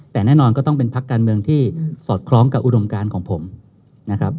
แต่แน่นอนก็ต้องเป็นพักการเมืองที่สอดคล้องกับอุดมการของผมนะครับ